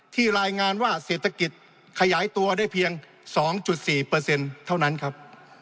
รายงานว่าเศรษฐกิจขยายตัวได้เพียง๒๔เท่านั้นครับ